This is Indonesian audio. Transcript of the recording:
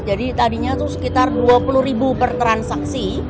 jadi tadinya itu sekitar dua puluh ribu per transaksi